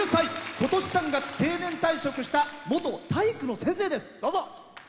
ことし３月、定年退職した元体育の先生です。